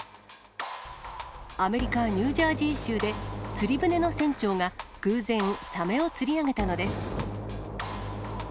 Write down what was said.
アメリカ・ニュージャージー州で釣り船の船長が偶然、サメを釣り上げたのです。